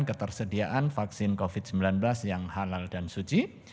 ketersediaan vaksin covid sembilan belas yang halal dan suci